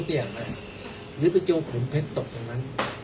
ยกติยังไหนหรือเจ้าของเพชรตกตรงนั้น